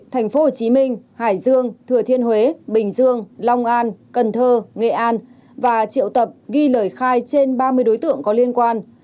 tp hcm hải dương thừa thiên huế bình dương long an cần thơ nghệ an và triệu tập ghi lời khai trên ba mươi đối tượng có liên quan